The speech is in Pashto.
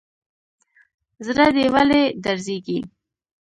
زړه دي ولي درزيږي.